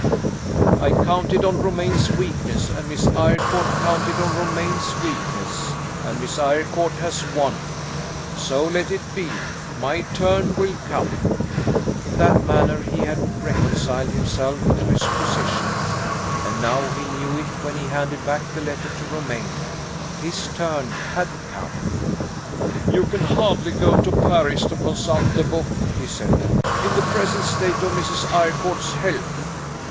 "I counted on Romayne's weakness; and Miss Eyrecourt counted on Romayne's weakness; and Miss Eyrecourt has won. So let it be. My turn will come." In that manner he had reconciled himself to his position. And now he knew it when he handed back the letter to Romayne his turn had come! "You can hardly go to Paris to consult the book," he said, "in the present state of Mrs. Eyrecourt's health?"